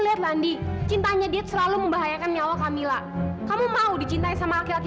lihat mandi cintanya dia selalu membahayakan nyawa kamila kamu mau dicintai sama laki laki